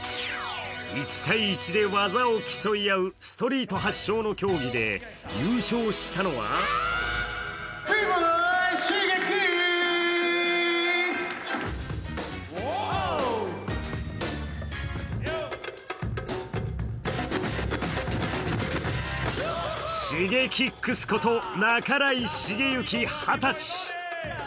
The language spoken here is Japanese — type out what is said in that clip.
１対１で技を競い合うストリート発祥の競技で、優勝したのはＳｈｉｇｅｋｉｘこと半井重幸２０歳。